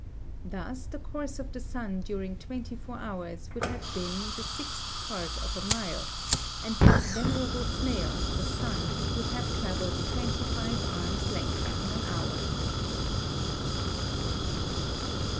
Thus the course of the sun during twenty four hours would have been the sixth part of a mile, and this venerable snail, the sun, would have travelled twenty five arms' length in an hour.